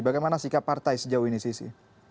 bagaimana sikap partai sejauh ini sisi